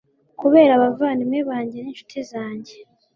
Kubera abavandimwe banjye n’incuti zanjye